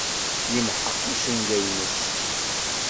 Yemḥeq icenga-nnes.